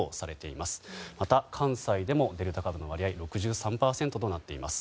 また、関西でもデルタ株の割合６３％となっています。